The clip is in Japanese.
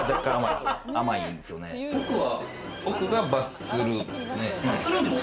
奥がバスルームですね。